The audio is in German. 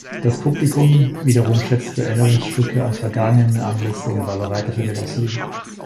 Das Publikum wiederum schätzte Erinnerungsstücke an vergangene Anlässe und war bereit, dafür Geld auszugeben.